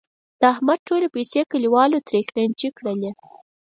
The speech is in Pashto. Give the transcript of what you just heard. د احمد ټولې پیسې کلیوالو ترې قېنچي کړلې.